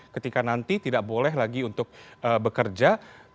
ketika nanti tidak boleh lagi untuk bekerja